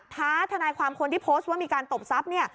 ทนายความคนที่โพสต์ว่ามีการตบทรัพย์เนี่ย